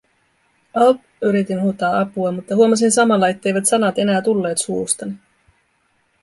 "Aup", yritin huutaa apua, mutta huomasin samalla, etteivät sanat enää tulleet suustani.